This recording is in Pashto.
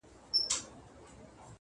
لوړې موخې ژور تمرکز غواړي’